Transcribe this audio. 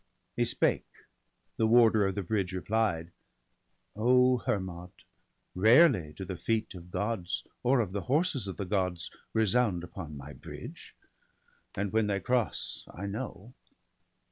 He spake; the warder of the bridge replied: —* O Hermod, rarely do the feet of Gods Or of the horses of the Gods resound Upon my bridge ; and, when they cross, I know.